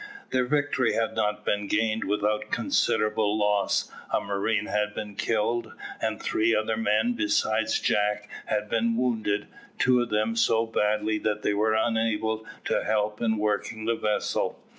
Their victory had not been gained without considerable loss: a marine had been killed, and three other men, besides Jack, had been wounded, two of them so badly that they were unable to help in working the vessel.